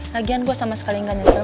lagian gue sama sekali nggak nyesel